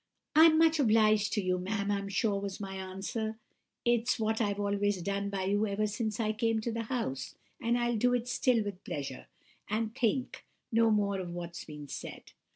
"'I'm much obliged to you, ma'am, I'm sure,' was my answer; 'it's what I've always done by you ever since I came to the house, and I'll do it still with pleasure, and think no more of what's been said.